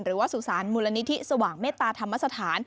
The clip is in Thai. หรือว่าสุสานมูลนิธิสว่างเมตตาธรรมสถาน